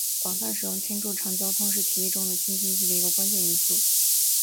广泛使用氢助长交通是在提议中的氢经济的一个关键因素。